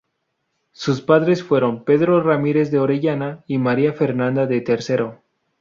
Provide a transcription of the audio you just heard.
Sus padres fueron Pedro Ramírez de Orellana y María Fernanda de Tercero.